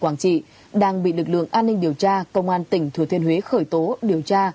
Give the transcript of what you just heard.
quảng trị đang bị lực lượng an ninh điều tra công an tỉnh thừa thiên huế khởi tố điều tra